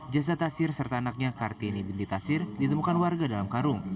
jasad tasir serta anaknya kartini binti tasir ditemukan warga dalam karung